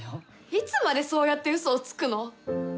いつまでそうやってうそをつくの？